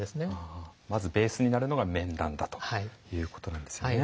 まずベースになるのが面談だということなんですよね。